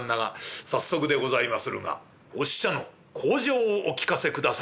「早速でございまするがお使者の口上をお聞かせ下さい」。